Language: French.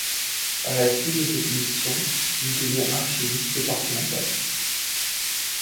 À la suite de sa démission, il devient archiviste départemental.